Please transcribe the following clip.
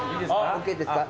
ＯＫですか？